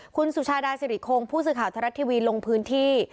คุณสูชายดายเซริกคลงผู้สือข่าวทลัทรัติทีวีลงพื้นที่